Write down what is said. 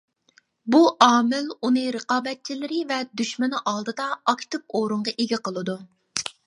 بۇ ئامىل ئۇنى رىقابەتچىلىرى ۋە دۈشمىنى ئالدىدا ئاكتىپ ئورۇنغا ئىگە قىلىدۇ.